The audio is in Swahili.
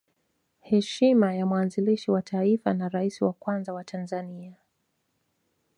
Heshima ya mwanzilishi wa Taifa na Rais wa kwanza wa Tanzania